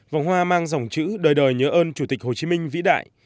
vòng hoa mang dòng chữ đời đời nhớ ơn chủ tịch hồ chí minh vĩ đại